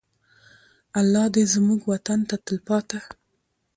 الله دې زموږ وطن ته تلپاته.